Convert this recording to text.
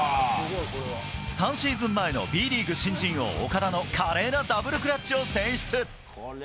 ３シーズン前のＢリーグ新人王、岡田の華麗なダブルクラッチを選出。